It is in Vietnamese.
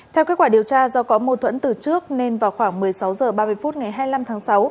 theo kết quả điều tra do có mô thuẫn từ trước nên vào khoảng một mươi sáu h ba mươi phút ngày hai mươi năm tháng sáu